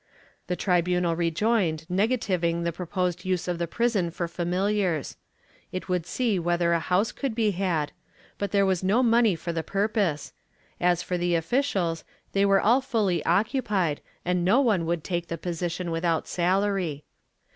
The tribunal rejoined negativing the proposed use of the prison for familiars; it would see whether a house could be had, but there was no money for the purpose; as for the officials, they were all fully occupied and no one would take the position without salary.